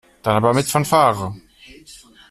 Dann aber mit Fanfare.